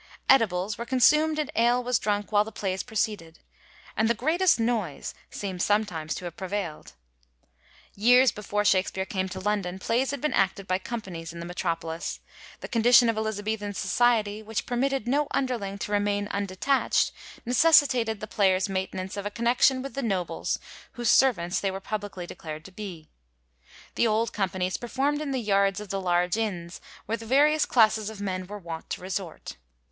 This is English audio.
Edibles were consumed and ale was drunk while the plays proceeded, and the greatest noise seems, sometimes, to have prevaild. Years before Shakspere came to London, plays had been acted by companies in the metropolis. The condition of Elizabethan society which permitted no underling to remain undetacht, necessitated the players' main tenance of a connexion with the nobles whose * servants ' they were publicly declared to be. The old companies performd in the yards of the large inns where the various classes of men were wont to resort.